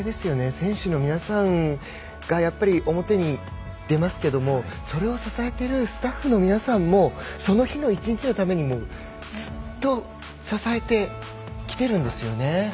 選手の皆さんがやっぱり表に出ますけれどそれを支えているスタッフの皆さんもその日の１日のためにずっと支えてきているんですよね。